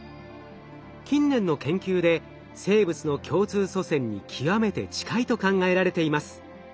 近年の研究で生物の共通祖先に極めて近いと考えられています。